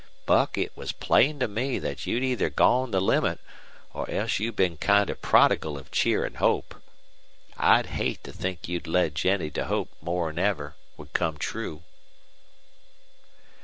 Buck, it was plain to me thet you'd either gone the limit or else you'd been kinder prodigal of cheer an' hope. I'd hate to think you'd led Jennie to hope more'n ever would come true."